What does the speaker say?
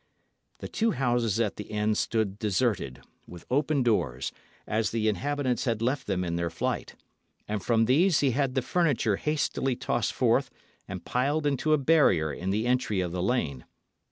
The two houses at the end stood deserted, with open doors, as the inhabitants had left them in their flight, and from these he had the furniture hastily tossed forth and piled into a barrier in the entry of the lane.